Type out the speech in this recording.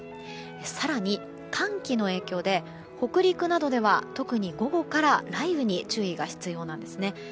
更に、寒気の影響で北陸などでは、特に午後から雷雨に注意が必要なんですね。